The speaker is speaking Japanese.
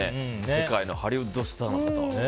世界のハリウッドスターのことを。